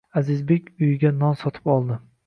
Azizbek uyiga non sotib oldi